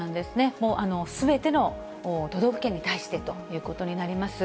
もうすべての都道府県に対してということになります。